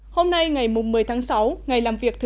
hôm nay ngày một mươi tháng sáu ngày làm việc thứ ba